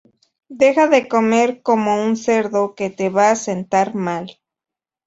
Deja de comer como un cerdo que te va a sentar mal